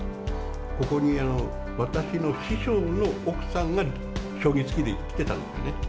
ここに私の師匠の奥さんが、将棋好きで来てたんですよね。